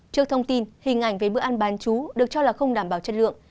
trước thông tin hình ảnh về bữa ăn bán chú được cho là không đảm bảo chất lượng